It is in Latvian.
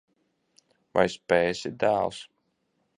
Vai spēsi, dēls?